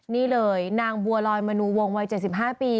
นี่เลยนางบัวลอยมนูวงวัย๗๕ปี